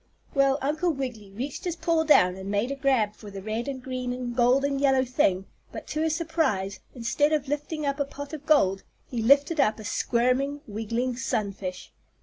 Well, Uncle Wiggily reached his paw down and made a grab for the red and green and gold and yellow thing, but to his surprise, instead of lifting up a pot of gold, he lifted up a squirming, wiggling sunfish.